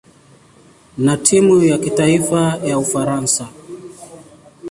na timu ya kitaifa ya Ufaransa.